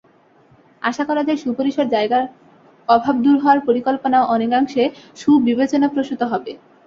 আশা করা যায়, সুপরিসর জায়গার অভাব দূর হওয়ায় পরিকল্পনাও অনেকাংশে সুবিবেচনাপ্রসূত হবে।